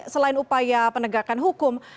selain upaya penegakan hukum